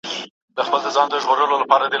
دی پاچا هغه فقیر دا څنګه کیږي؟